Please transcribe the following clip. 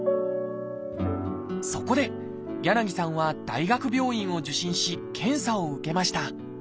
そこで柳さんは大学病院を受診し検査を受けました。